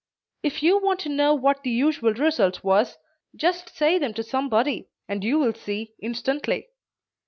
If you want to know what the usual result was, just say them to somebody, and you will see, instantly.